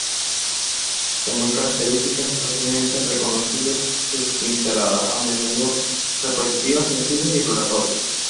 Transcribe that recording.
Son muy características y fácilmente reconocibles sus pinceladas, a menudo repetitivas, sensibles y exploratorias.